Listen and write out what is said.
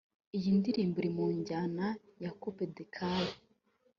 Iyi ndirimbo iri mu njyana ya ’’Coupe des Carres’’